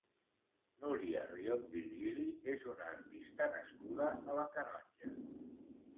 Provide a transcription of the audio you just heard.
Núria Rion Virgili és una artista nascuda a la Canonja.